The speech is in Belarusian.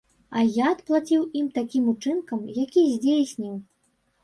А я адплаціў ім такім учынкам, які здзейсніў.